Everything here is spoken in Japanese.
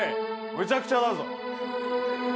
むちゃくちゃだぞ。